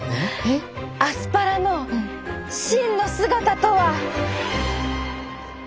アスパラの真の姿とは。